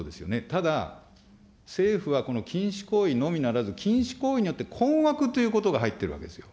ただ、政府はこの禁止行為のみならず、禁止行為によって、困惑ということが入ってるわけなんですよ。